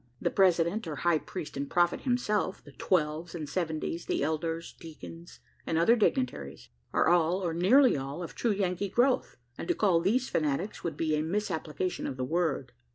The President or "High Priest and Prophet" himself, the Twelves and Seventies, the elders, deacons, and other dignitaries, are all, or nearly all, of true Yankee growth; and to call these "fanatics" would be a misapplication of the word.